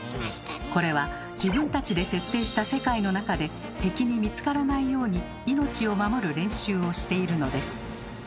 これは自分たちで設定した世界の中で敵に見つからないように命を守る練習をしているのです。